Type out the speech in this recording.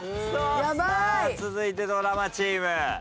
さあ続いてドラマチーム。